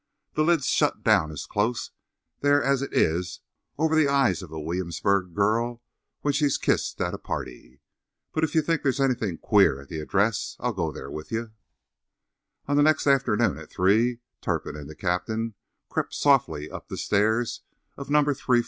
"The lid's shut down as close there as it is over the eye of a Williamsburg girl when she's kissed at a party. But if you think there's anything queer at the address, I'll go there with ye." On the next afternoon at 3, Turpin and the captain crept softly up the stairs of No.